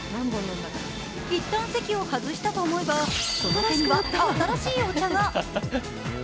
一旦席を外したと思えば、その手には新しいお茶が。